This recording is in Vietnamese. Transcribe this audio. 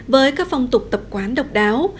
với các phong tục tập quán độc đáo